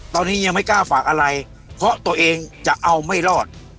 ตอนนี้ยังไม่กล้าฝากอะไรเพราะตัวเองจะเอาไม่รอด